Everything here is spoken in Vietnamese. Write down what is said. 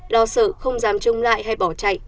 lo sợ không dám trông lại hay bỏ chạy